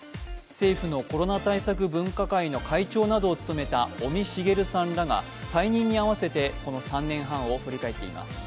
政府のコロナ対策分科会の会長などを務めた尾身茂さんらが退任に合わせてこの３年半を振り返っています。